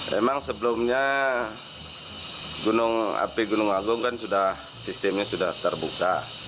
memang sebelumnya api gunung agung kan sistemnya sudah terbuka